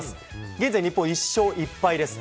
現在、日本１勝１敗ですね。